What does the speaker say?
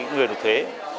người nộp thuế